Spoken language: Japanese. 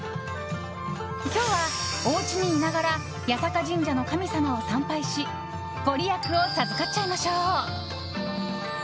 今日は、おうちにいながら八坂神社の神様を参拝しご利益を授かっちゃいましょう。